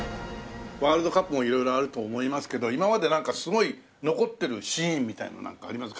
ワールドカップも色々あると思いますけど今までなんかすごい残ってるシーンみたいなのなんかあります？